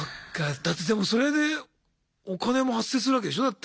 だってでもそれでお金も発生するわけでしょだって。